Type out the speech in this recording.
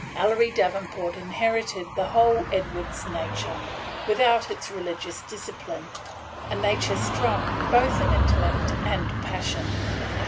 Ellery Davenport inherited the whole Edwards nature, without its religious discipline, – a nature strong both in intellect and passion.